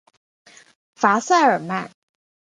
戈塞尔曼。